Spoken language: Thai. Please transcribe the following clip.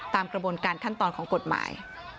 ตามกระบวนการขั้นตอนของกฎหมาย